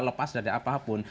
lepas dari apapun